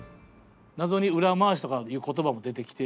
謎に「裏回し」とかいう言葉も出てきて。